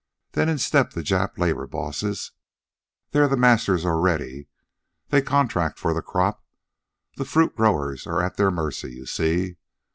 Then in step the Jap labor bosses. They're the masters already. They contract for the crop. The fruit growers are at their mercy, you see.